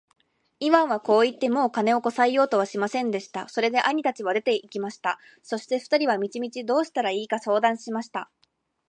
イワンはこう言って、もう金をこさえようとはしませんでした。それで兄たちは出て行きました。そして二人は道々どうしたらいいか相談しました。